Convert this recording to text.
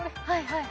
はい。